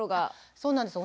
そうなんですよ。